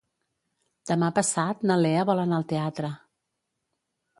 Demà passat na Lea vol anar al teatre.